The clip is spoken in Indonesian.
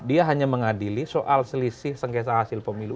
dia hanya mengadili soal selisih sengketa hasil pemilu